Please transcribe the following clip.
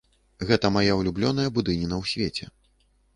Гэта мая ўлюблёная будыніна ў свеце.